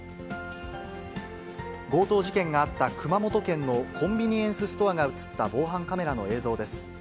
強盗事件があった熊本県のコンビニエンスストアが写った防犯カメラの映像です。